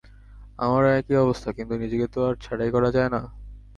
আমারও একই অবস্থা, কিন্তু নিজেকে তো আর ছাঁটাই করা যায় না।